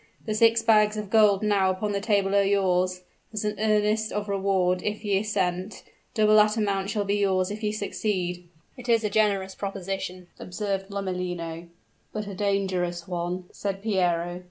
The six bags of gold now upon the table are yours, as an earnest of reward, if ye assent. Double that amount shall be yours if ye succeed." "It is a generous proposition," observed Lomellino. "But a dangerous one," said Piero.